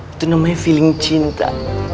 itu namanya feeling cinta